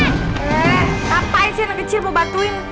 eh kapain sih anak kecil mau bantuin